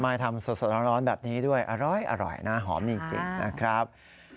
ทำสดร้อนแบบนี้ด้วยอร่อยนะหอมจริงนะครับ